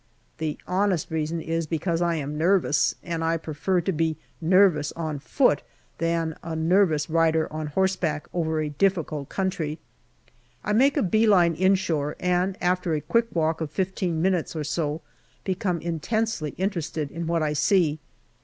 The honest reason is because I am nervous, and I prefer to be nervous on foot than a nervous rider on horseback over a difficult country. I make a bee line inshore, and after a quick walk of fifteen minutes or so become intensely interested in what I see.